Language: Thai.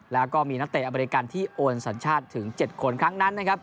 แล้วก็มีนักเตะอเมริกันที่โอนสัญชาติถึง๗คนครั้งนั้นนะครับ